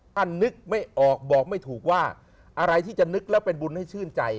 ถ้านึกไม่ออกบอกไม่ถูกว่าอะไรที่จะนึกแล้วเป็นบุญให้ชื่นใจ